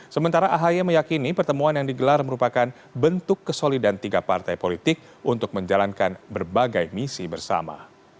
sementara ahy meyakini pertemuan yang digelar merupakan bentuk kesolidan tiga partai politik untuk menjalankan berbagai misi bersama